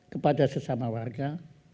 kepada sesama warga